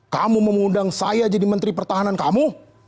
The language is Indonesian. kamu mengundang saya jadi menteri pertahanan kamu